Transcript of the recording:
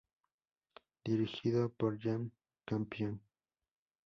Dirigido por Jane Campion.